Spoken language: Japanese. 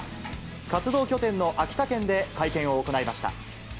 活動拠点の秋田県で会見を行いました。